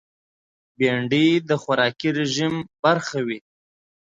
بېنډۍ د خوراکي رژیم برخه وي